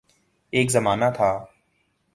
ایک زمانہ تھا۔